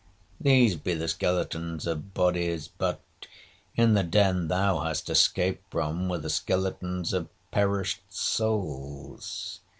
These be the skeletons of bodies, but in the den thou hast escaped from were the skeletons of perished souls.